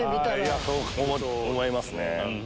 そう思えますね。